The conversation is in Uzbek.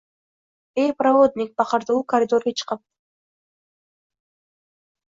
Ey, provodnik! – baqirdi u koridorga chiqib: